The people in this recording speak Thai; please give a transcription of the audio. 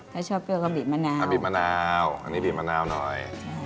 ถ้าชอบเปรี้ยวก็บีบมะนาวบีบมะนาวอันนี้บีบมะนาวหน่อย